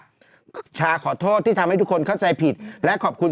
น้ำชาชีวนัทครับผมโพสต์ขอโทษทำเข้าใจผิดหวังคำเวพรเป็นจริงนะครับ